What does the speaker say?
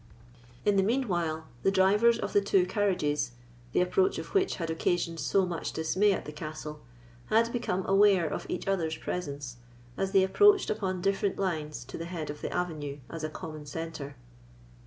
In the mean while, the drivers of the two carriages, the approach of which had occasioned so much dismay at the castle, had become aware of each other's presence, as they approached upon different lines to the head of the avenue, as a common centre.